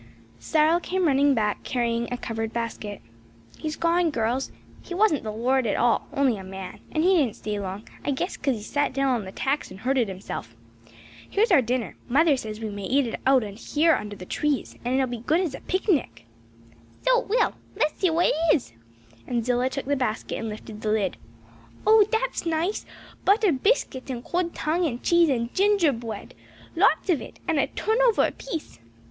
CYRIL came running back carrying a covered basket. "He's gone, girls. He wasn't the Lord at all; only a man; and he didn't stay long; I guess 'cause he sat down on the tacks and hurted himself. "Here's our dinner. Mother says we may eat it out here under the trees and it'll be as good as a picnic." "So it will. Let's see what it is," and Zillah took the basket and lifted the lid. "Oh that's nice! buttered biscuits and cold tongue and cheese and ginger bread lots of it and a turnover apiece."